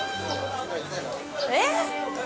えっ！？